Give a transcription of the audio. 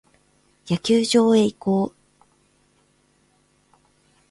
野球場へ移行。